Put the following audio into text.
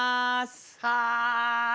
はい！